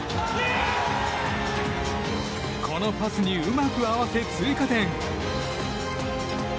このパスにうまく合わせ追加点。